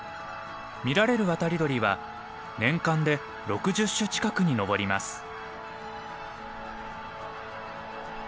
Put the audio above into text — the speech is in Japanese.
見られる渡り鳥は年間で６０種近くに上ります。